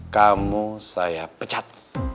kamu saya pecat